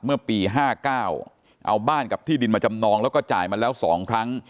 เมื่อปี๕๙เอาบ้านกับที่ดินมาจำนองแล้วก็จ่ายมาแล้ว๒ครั้ง